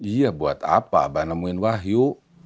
iya buat apa abah nemuin wahyu